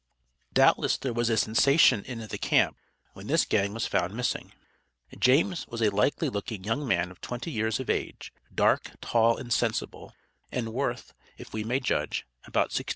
Doubtless there was a sensation in "the camp," when this gang was found missing. James was a likely looking young man of twenty years of age, dark, tall, and sensible; and worth, if we may judge, about $1,600.